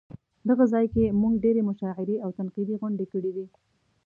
دغه ځای کې مونږ ډېرې مشاعرې او تنقیدي غونډې کړې دي.